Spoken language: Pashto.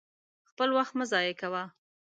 خپل وخت مه ضايع کوه!